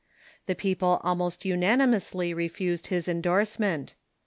The peo ple almost unanimously refused his endorsement.